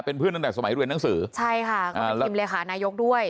เป็นเพื่อนตั้งแต่สมัยเรียนหนังสือใช่ค่ะก็เป็นทีมเลขานายกด้วย